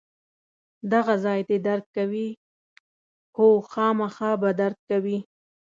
دغه ځای دې درد کوي؟ هو، خامخا به درد کوي.